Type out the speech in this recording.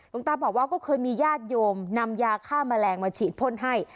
ตาบอกว่าก็เคยมีญาติโยมนำยาฆ่าแมลงมาฉีดพ่นให้